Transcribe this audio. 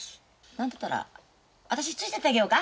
何だったら私ついてってあげようか？